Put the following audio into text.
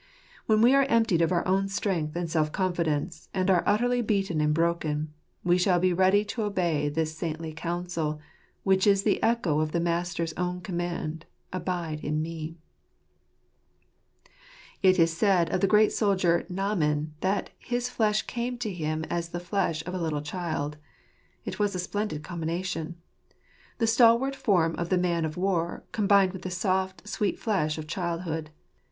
When we are emptied of our own strength and self confidence, and are utterly beaten and broken, we shall be ready to obey this saintly counsel, which is the echo of the Master's own command —" Abide in Me !" It is said of the great soldier Naaman that "his flesh came to him as the flesh of a little child. ,, It was a splendid combination ! The stalwart form of the man of war combined with the soft, sweet flesh of childhood.